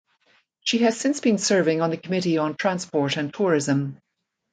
She has since been serving on the Committee on Transport and Tourism.